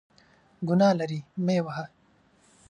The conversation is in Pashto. ګناه لري ، مه یې وهه !